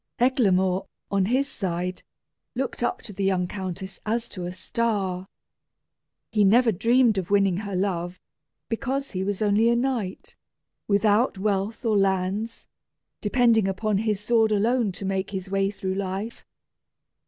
Eglamour, on his side, looked up to the young countess as to a star. He never dreamed of winning her love, because he was only a knight, without wealth or lands, depending upon his sword alone to make his way through life.